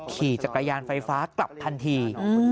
ขี่จักรยานไฟฟ้ากลับทันที